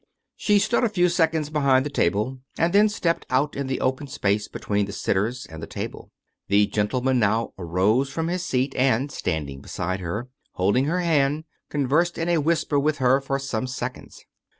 She stood a few seconds behind the table and then stepped out in the open space between the sitters and the table. The gentle man now arose from his seat and, standing beside her, hold ing her hand, conversed in a whisper with her for some seconds.